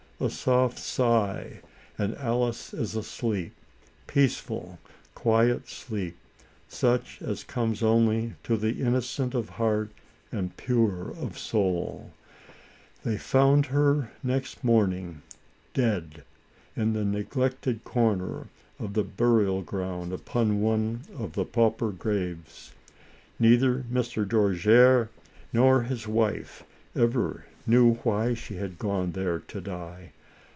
A soft sigh, and Alice is asleep — peace ful, quiet sleep, such as comes only to the inno cent of heart and pure of soul. They found her next morning, dead, in the ne glected corner of the burial ground, upon one of the pauper graves. Neither Mr. Dojere nor his wife ever knew why she had gone there to die.